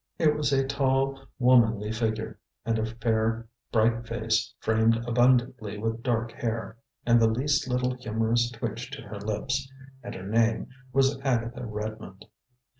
It was a tall, womanly figure, and a fair, bright face framed abundantly with dark hair, and the least little humorous twitch to her lips. And her name was Agatha Redmond.